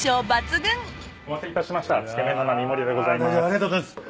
ありがとうございます。